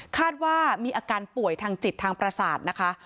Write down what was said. คาดว่ามีอาการป่วยทางจิตทางประสาทนะคะ